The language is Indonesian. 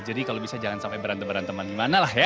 jadi kalau bisa jangan sampai berantem beranteman gimana lah ya